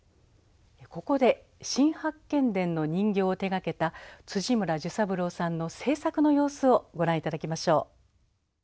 ここで「新八犬伝」の人形を手がけた村寿三郎さんの制作の様子をご覧頂きましょう。